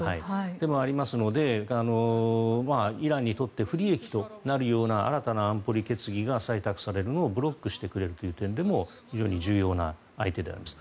それでもありますのでイランにとって不利益となるような新たな安保理決議が採択されるのをブロックしてくれるという点でも非常に重要な相手であります。